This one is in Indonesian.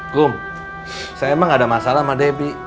gum saya emang gak ada masalah sama debbie